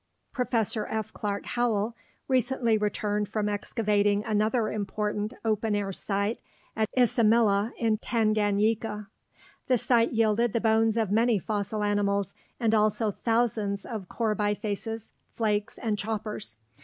Professor F. Clark Howell recently returned from excavating another important open air site at Isimila in Tanganyika. The site yielded the bones of many fossil animals and also thousands of core bifaces, flakes, and choppers.